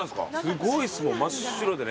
すごいっすもん真っ白でね。